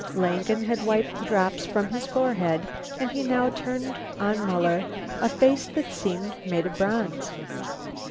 Langen had wiped the drops from his forehead and he now turned on Muller a face that seemed made of bronze.